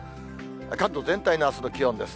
関東全体のあすの気温です。